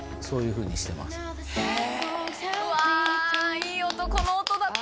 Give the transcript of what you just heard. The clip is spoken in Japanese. いい音